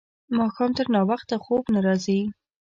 ماښام تر ناوخته خوب نه راځي.